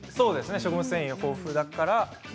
食物繊維が豊富だから。